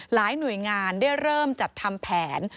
หน่วยงานได้เริ่มจัดทำแผน